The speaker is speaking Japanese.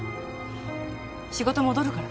仕事戻るから。